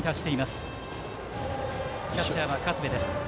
キャッチャーは勝部。